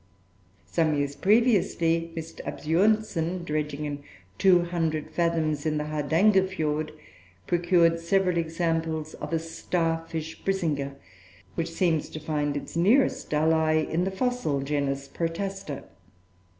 Some years previously, Mr. Absjornsen, dredging in 200 fathoms in the Hardangerfjord, procured several examples of a Starfish (Brisinga), which seems to find its nearest ally in the fossil genus Protaster.